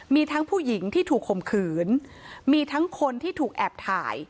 มีทั้งผู้หญิงที่ถูกข่มขืนมีทั้งคนที่ถูกแอบถ่าย